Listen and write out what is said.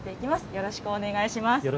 よろしくお願いします。